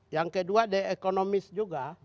yang kedua di ekonomis juga